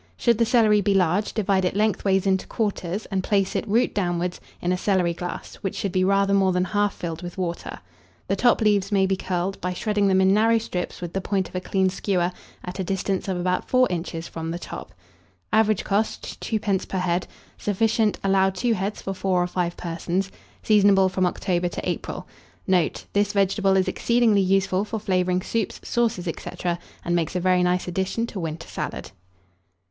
Should the celery be large, divide it lengthwise into quarters, and place it, root downwards, in a celery glass, which should be rather more than half filled with water. The top leaves may be curled, by shredding them in narrow strips with the point of a clean skewer, at a distance of about 4 inches from the top. Average cost, 2d. per head. Sufficient. Allow 2 heads for 4 or 5 persons. Seasonable from October to April. Note. This vegetable is exceedingly useful for flavouring soups, sauces, &c., and makes a very nice addition to winter salad.